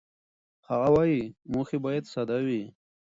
هغه وايي، موخې باید ساده وي.